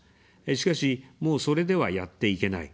しかし、もう、それでは、やっていけない。